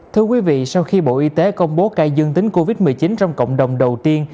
thưa quý vị sau khi bộ y tế công bố ca dương tính covid một mươi chín trong cộng đồng đầu tiên